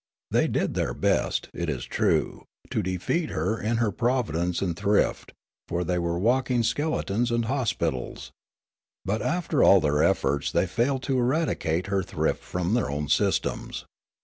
They did their best, it is true, to defeat her in her providence and thrift ; for they were walking skeletons and hospitals. But after all their efforts they failed to eradicate her thrift from their own systems.